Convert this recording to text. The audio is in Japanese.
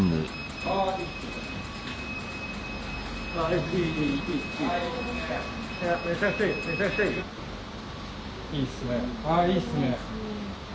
ああいいっすね。